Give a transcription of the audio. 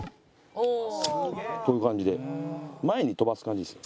こういう感じで前に飛ばす感じです